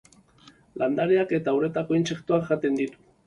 Landareak eta uretako intsektuak jaten ditu.